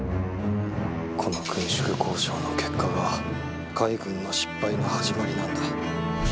この軍縮交渉の結果が海軍の失敗の始まりなんだ。